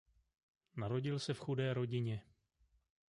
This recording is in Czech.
Narodil se v chudé rodině.